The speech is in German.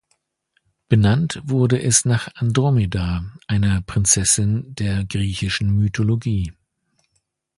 Benannt wurde es nach Andromeda, einer Prinzessin der griechischen Mythologie.